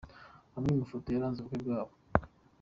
Amwe mu mafoto yaranze ubukwe bwabo.